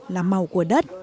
là màu của đất